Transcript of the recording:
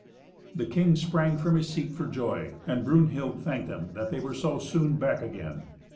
The king sprang from his seat for joy, and Brunhild thanked them that they were so soon back again.